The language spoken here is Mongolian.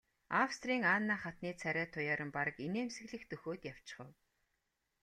Австрийн Анна хатны царай туяаран бараг инээмсэглэх дөхөөд явчихав.